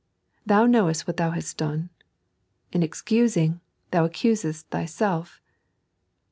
Thou knowefit what thou hast done. In excusing, thou accusest thyself.